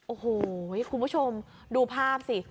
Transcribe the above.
โอ้โหคุณผู้ชมดูภาพสิ